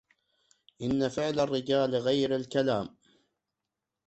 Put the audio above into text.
إن فعل الرجال غير الكلام